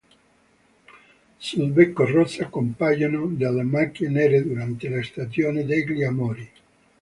Sul becco rosa compaiono delle macchie nere durante la stagione degli amori.